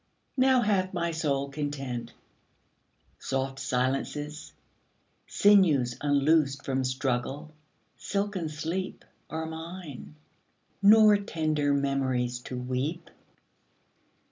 Now hath my soul content. Soft silences, Sinews unloosed from struggle, silken sleep, 27 Are mine; nor tender memories to weep.